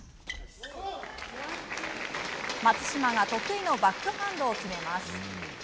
松島が、得意のバックハンドを決めます。